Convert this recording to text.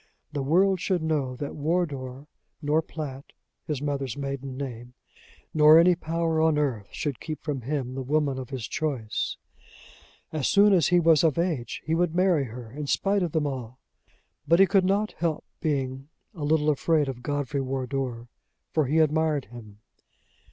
The world should know that Wardour nor Platt his mother's maiden name! nor any power on earth should keep from him the woman of his choice! As soon as he was of age, he would marry her, in spite of them all. But he could not help being a little afraid of Godfrey Wardour, for he admired him.